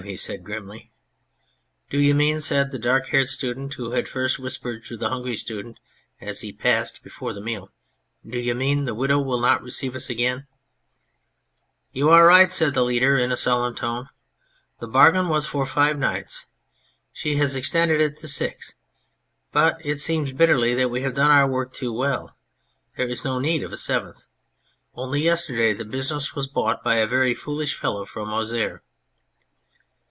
" he said grimly. " Do you mean/' said the dark haired student who had first whispered to the Hungry Student as he passed, before the meal, " do you mean the Widow will not receive us again ?"" You are right," said the leader, in a solemn tone. " The bargain was for five nights ; she has extended it to six. But it seems " bitterly "that we have done our work too well. There is no need of a seventh. Only yesterday the business was bought by a very foolish fellow from Auxerre."